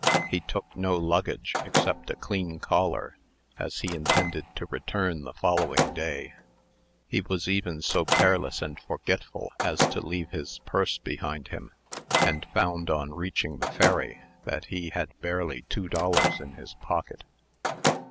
He took no luggage, except a clean collar, as he intended to return the following day. He was even so careless and forgetful as to leave his purse behind him, and found, on reaching the ferry, that he had barely two dollars in his pocket.